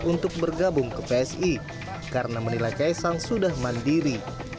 untuk bergabung ke psi karena menilai kaisang sudah mandiri